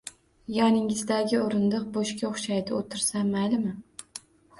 -Yoningizdagi o’rindiq bo’shga o’xshaydi. O’tirsam, maylimi?